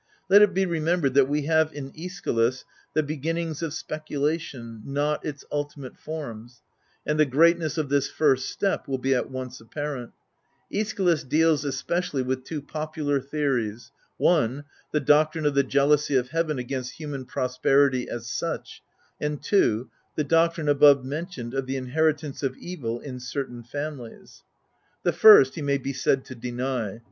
Let it be remembered that we have in ^schylus the beginnings of speculation, not its ultimate forms ; and the greatness of this first step will be at once apparent. ^schylus deals especially with two popular theories : (i.) The doctrine of the jealousy of Heaven against human prosperity as such ; (ii.) The doctrine above mentioned of the inheritance of evil in certain families. The first, he may be said to deny.